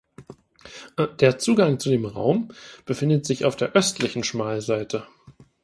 Der Zugang zu dem Raum befindet sich auf der östlichen Schmalseite.